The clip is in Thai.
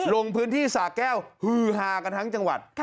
ลงพื้นที่สาแก้วฮือฮากันทั้งจังหวัด